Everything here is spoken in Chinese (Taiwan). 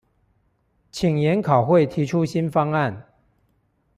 請研考會提出新方案